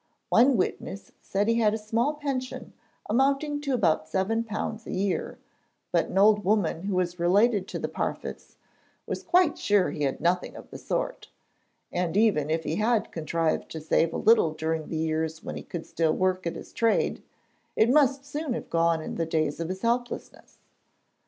One witness said he had a small pension amounting to about seven pounds a year, but an old woman who was related to the Parfitts 'was quite sure he had nothing of the sort,' and even if he had contrived to save a little during the years when he could still work at his trade, it must soon have gone in the days of his helplessness.